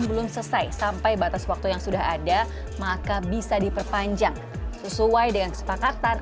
belum selesai sampai batas waktu yang sudah ada maka bisa diperpanjang sesuai dengan kesepakatan